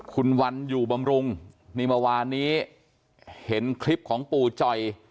คุณวันอยู่บำรุงนี่เมื่อวานนี้เห็นคลิปของปู่จ่อย